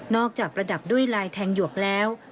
จากประดับด้วยลายแทงหยวกแล้ว